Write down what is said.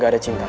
gak ada bantuan